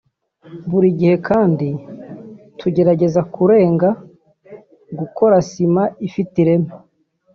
Buri gihe kandi tugerageza kurenga gukora sima ifite ireme